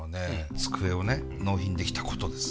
机をね納品できたことです。